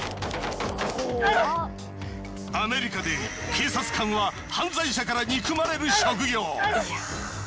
アメリカで警察官は犯罪者から憎まれる職業。